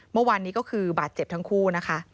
เมื่อวานนี้ก็คือบาดเจ็บทั้งคู่นะคะ